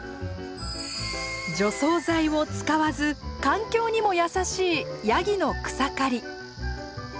除草剤を使わず環境にも優しいヤギの草刈り。